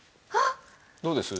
どうです？